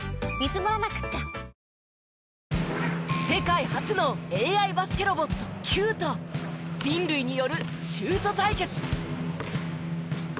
世界初のＡＩバスケロボットＣＵＥと人類によるシュート対決。